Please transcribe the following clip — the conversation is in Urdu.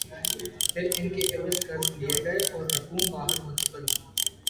پھر ان کے عوض قرض لئے گئے اوررقوم باہر منتقل ہوئیں۔